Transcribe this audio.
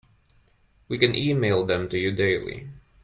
We can email them to you daily.